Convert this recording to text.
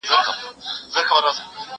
زه به کتابونه ليکلي وي